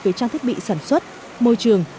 về trang thiết bị sản xuất môi trường